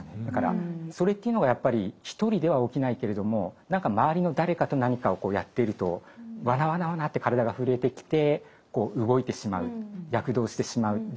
だからそれっていうのがやっぱり一人では起きないけれども何か周りの誰かと何かをやっているとわなわなわなって体が震えてきて動いてしまう躍動してしまう。